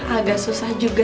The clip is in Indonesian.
agak susah juga